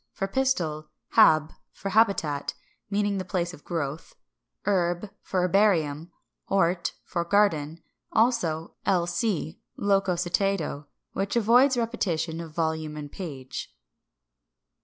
_ for pistil, Hab. for habitat, meaning place of growth, Herb. for herbarium, Hort. for garden. Also l. c., loco citato, which avoids repetition of volume and page.